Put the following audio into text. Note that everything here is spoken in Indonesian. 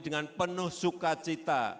dengan penuh sukacita